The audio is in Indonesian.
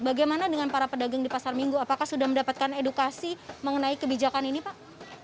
bagaimana dengan para pedagang di pasar minggu apakah sudah mendapatkan edukasi mengenai kebijakan ini pak